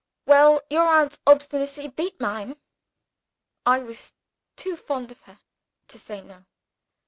Well, your aunt's obstinacy beat mine; I was too fond of her to say No.